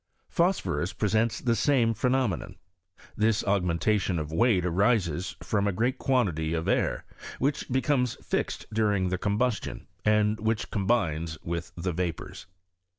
Phos phorus presents the same phenomenon. This aug mentation of weight arises from a great quantity ci air, which becomes fixed during the combustion, and which combines with the vapours.